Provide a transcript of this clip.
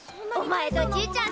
おまえのじいちゃん